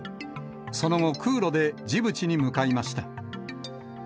その後、空路でジブチに向かいました。